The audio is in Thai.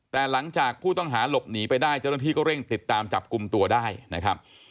แต่หลังจากผู้ต้องหาหลบหนีไปได้เจ้าหน้าที่ก็เร่งติดตามจับกลุ่มตัวได้นะครับ